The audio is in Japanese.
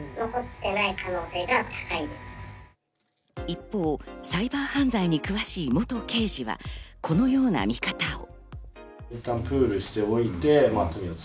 一方、サイバー犯罪に詳しい元刑事は、このような見方を。